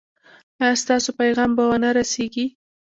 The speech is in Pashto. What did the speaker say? ایا ستاسو پیغام به و نه رسیږي؟